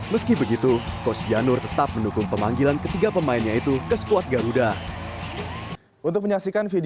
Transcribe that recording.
meski begitu coach janur tetap mendukung pemanggilan ketiga pemainnya itu ke squad garuda